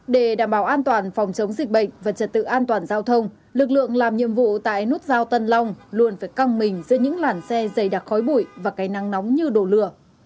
để đảm bảo an toàn phòng chống dịch bệnh và trật tự an toàn giao thông lực lượng làm nhiệm vụ tại nút giao tân long luôn phải căng mình giữa những làn xe dày đặc khói bụi và cây nắng nóng như đổ lửa